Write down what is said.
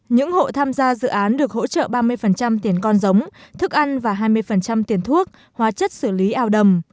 những hộ tham gia dự án được hỗ trợ ba mươi tiền con giống thức ăn và hai mươi tiền thuốc hóa chất xử lý ảo đầm